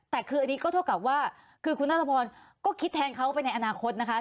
แต่คืออันนี้ก็เท่ากับว่าคือคุณนัทพรก็คิดแทนเขาไปในอนาคตนะคะ